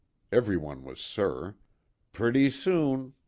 " (Every one was " sir.") " Pretty soon